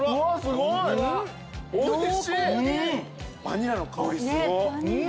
バニラの香りすごっ。